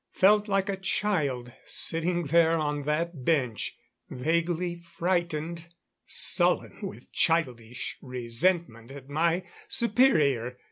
Felt like a child, sitting there on that bench. Vaguely frightened; sullen, with childish resentment at my superior.